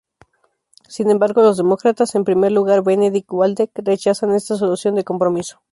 Sin embargo, los demócratas, en primer lugar Benedikt Waldeck, rechazan esta solución de compromiso.